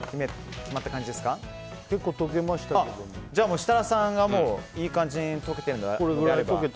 設楽さんがいい感じに溶けているのであれば。